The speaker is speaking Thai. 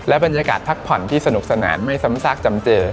บรรยากาศพักผ่อนที่สนุกสนานไม่ซ้ำซากจำเจอ